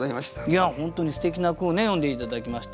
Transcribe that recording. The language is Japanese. いや本当にすてきな句を詠んで頂きまして。